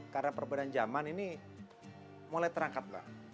karena perbedaan zaman ini mulai terangkat